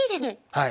はい。